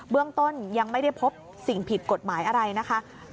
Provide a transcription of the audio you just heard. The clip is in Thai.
เรื่องต้นยังไม่ได้พบสิ่งผิดกฎหมายอะไรนะคะ